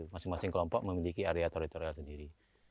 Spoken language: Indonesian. masing masing kelompok memiliki area teritorial sendiri